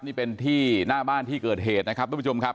นี่เป็นที่หน้าบ้านที่เกิดเหตุนะครับทุกผู้ชมครับ